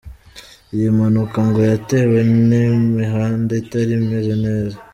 Iyi mpanuka ngo yatewe n’ imihanda itari imeze neza.